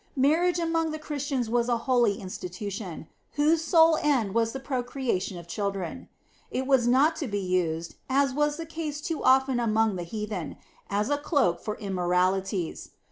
Marriage among the Christians was a holy institution, whose sole end was the procreation of children. It was not to be used, as was the case too often among the heathen, as a cloak for immoralities.